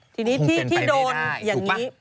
ทีนี้ที่โดนอย่างนี้